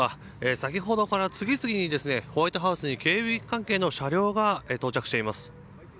先ほどから次々にホワイトハウスに警備関係の車両が到着しています。